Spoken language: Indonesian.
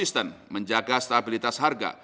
sistem menjaga stabilitas harga